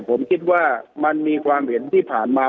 ผมคิดว่ามันมีความเห็นที่ผ่านมา